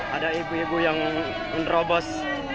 ada ibu ibu yang menerobos